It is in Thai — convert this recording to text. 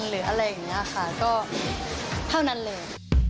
หรืออะไรอย่างนี้ค่ะก็เท่านั้นเลย